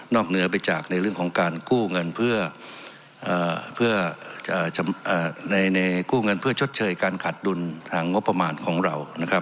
นอกเหนือไปจากในเรื่องของการกู้เงินเพื่อชดเชยการขาดดุลทางงบประมาณของเรานะครับ